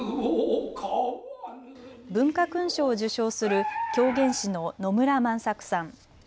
文化勲章を受章する狂言師の野村万作さん。